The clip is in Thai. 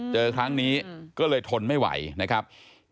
เจอครั้งนี้ก็เลยทนไม่ไหวนะครับ